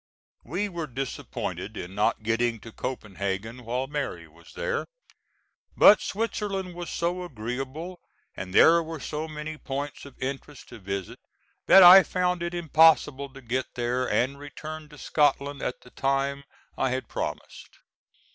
We were disappointed in not getting to Copenhagen while Mary was there. But Switzerland was so agreeable, and there were so many points of interest to visit that I found it impossible to get there and return to Scotland at the time I had promised.